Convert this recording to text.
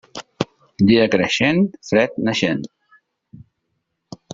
Dia creixent, fred naixent.